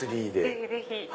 ぜひぜひ。